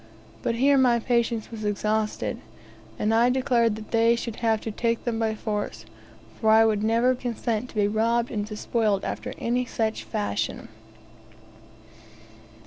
But here my patience was exhausted, and I declared that they should have to take them by force, for I would never consent to be robbed and despoiled after any such fashion.